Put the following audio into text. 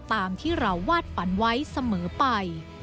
ตามที่เราวาดฝันไว้เสมอไป